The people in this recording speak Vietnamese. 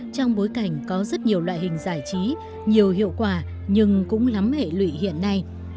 trong bối cảnh có rất nhiều loại hình giải trí nhiều hiệu quả nhưng cũng lắm hệ lụy hiện nay